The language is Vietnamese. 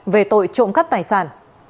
về tội trộm cắp tài sản